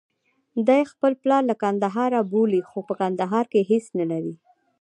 دی خپل پلار له کندهار بولي، خو په کندهار کې هېڅ نلري.